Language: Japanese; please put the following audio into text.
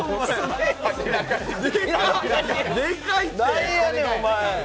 なんやねん、お前。